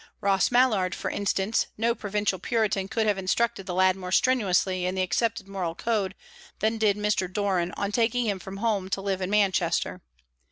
Ross Mallard, for instance; no provincial Puritan could have instructed the lad more strenuously in the accepted moral code than did Mr. Doran on taking him from home to live in Manchester.